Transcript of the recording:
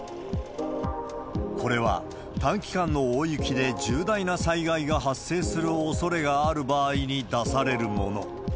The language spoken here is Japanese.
これは短期間の大雪で重大な災害が発生するおそれがある場合に出されるもの。